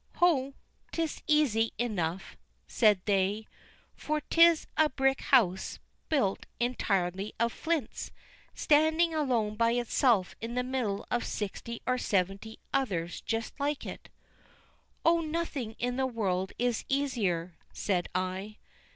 "Ho, 'tis easy enough," said they, "for 'tis a brick house built entirely of flints, standing alone by itself in the middle of sixty or seventy others just like it." "Oh, nothing in the world is easier," said I.